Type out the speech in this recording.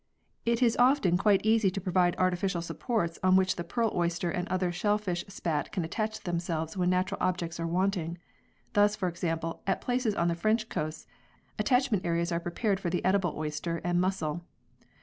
It is often quite easy to provide artificial supports to which the pearl oyster and other shellfish spat can attach themselves when natural objects are wanting. Thus, for example, at places, on the French coasts, attachment areas are prepared for the edible oyster and mussel.